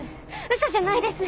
嘘じゃないです。